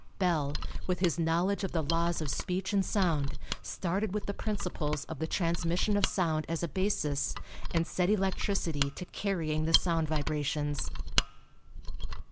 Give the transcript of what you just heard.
Bell, with his knowledge of the laws of speech and sound, started with the principles of the transmission of sound as a basis and set electricity to carrying the sound vibrations.